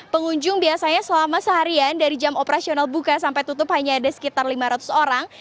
pengunjung biasanya selama seharian dari jam operasional buka sampai tutup hanya ada sekitar lima ratus orang